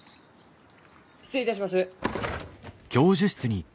失礼いたします。